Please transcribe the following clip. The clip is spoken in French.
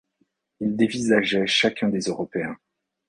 Il dévisageait chacun des Européens.